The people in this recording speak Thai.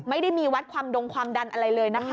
ไม่ได้มีวัดความดงความดันอะไรเลยนะคะ